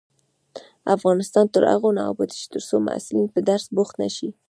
افغانستان تر هغو نه ابادیږي، ترڅو محصلین په درس بوخت نشي.